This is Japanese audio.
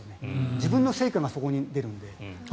自分の成果がそこに出るので。